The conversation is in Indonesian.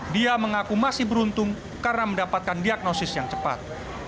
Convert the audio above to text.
dia mengaku masih beruntung karena mendapatkan diagnosis yang cepat